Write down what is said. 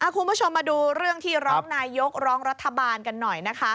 คุณผู้ชมมาดูเรื่องที่ร้องนายกร้องรัฐบาลกันหน่อยนะคะ